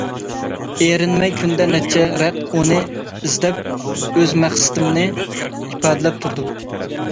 ئېرىنمەي، كۈندە نەچچە رەت ئۇنى ئىزدەپ، ئۆز مەقسىتىمنى ئىپادىلەپ تۇردۇم.